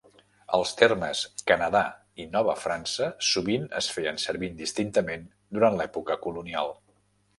Els termes "Canadà" i "Nova França" sovint es feien servir indistintament durant l'època colonial.